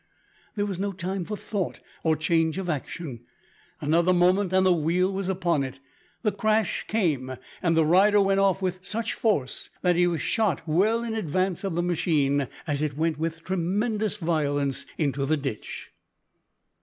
There was no time for thought or change of action. Another moment and the wheel was upon it, the crash came, and the rider went off with such force that he was shot well in advance of the machine, as it went with tremendous violence into the ditch.